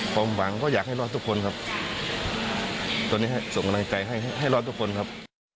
ความหวังก็อยากให้รอดทุกคนครับตอนนี้ส่งกำลังใจให้ให้รอดทุกคนครับ